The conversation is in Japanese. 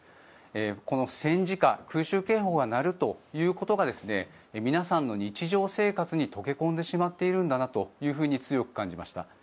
この戦時下空襲警報が鳴るということが皆さんの日常生活に溶け込んでしまっているんだなと強く感じました。